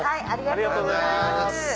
ありがとうございます。